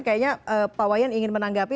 kayaknya pak wayan ingin menanggapi